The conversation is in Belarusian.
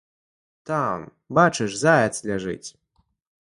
Там, бачыш, заяц ляжыць.